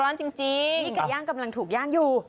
นี่ไก่ย่างกำลังถูกย่างอยู่